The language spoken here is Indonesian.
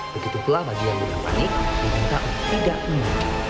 begituklah bagian yang panik di tingkat tidak menang